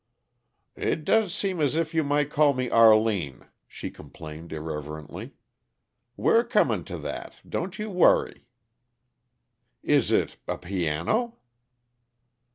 "It does seem as if you might call me Arline," she complained irrelevantly. "We're comin' to that don't you worry." "Is it a piano?"